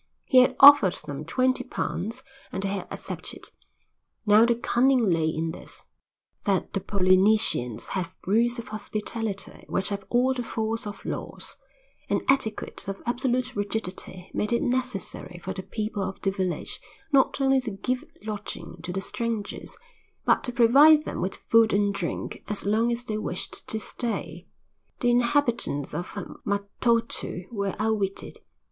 He had offered them twenty pounds and they had accepted. Now the cunning lay in this, that the Polynesians have rules of hospitality which have all the force of laws; an etiquette of absolute rigidity made it necessary for the people of the village not only to give lodging to the strangers, but to provide them with food and drink as long as they wished to stay. The inhabitants of Matautu were outwitted.